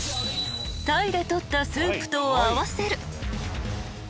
［鯛でとったスープと合わせる］